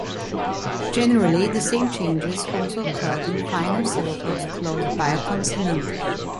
Generally, the same changes also occurred in final syllables closed by a consonant.